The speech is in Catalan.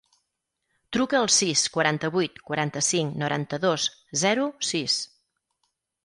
Truca al sis, quaranta-vuit, quaranta-cinc, noranta-dos, zero, sis.